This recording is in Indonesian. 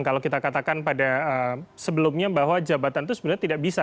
kalau kita katakan pada sebelumnya bahwa jabatan itu sebenarnya tidak bisa